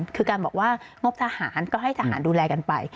คือการบอกว่างบทหารก็ให้ทหารดูแลกันไป